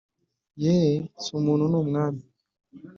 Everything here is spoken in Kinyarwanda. yee si umuntu ni umwami!